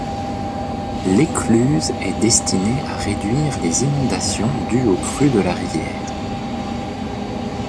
L'écluse est destinée à réduire les inondations dues aux crues de la rivière.